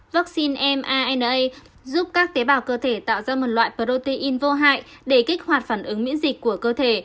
vaccine mana giúp các tế bào cơ thể tạo ra một loại protein vô hại để kích hoạt phản ứng miễn dịch của cơ thể